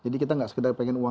jadi kita gak sekedar pengen uang